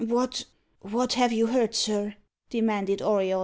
"What what have you heard, sir?" demanded Auriol.